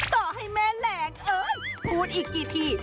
ต่อให้แม่แหลงเอ้ยพูดอีกกี่ที